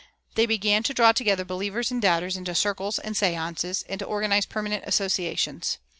They began to draw together believers and doubters into "circles" and "séances," and to organize permanent associations.